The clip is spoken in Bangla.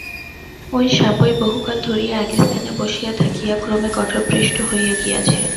ঐ সাপই বহুকাল ধরিয়া একস্থানে বসিয়া থাকিয়া ক্রমে কঠোরপৃষ্ট হইয়া গিয়াছে।